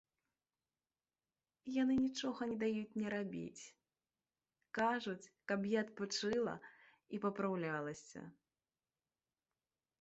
Яны нічога не даюць мне рабіць, кажуць, каб я адпачыла і папраўлялася.